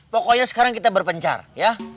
pokoknya sekarang kita berpencar ya